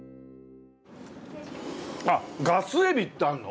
あっガスエビってあんの？